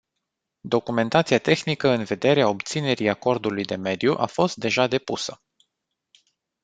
Documentația tehnică în vederea obținerii acordului de mediu a fost deja depusă.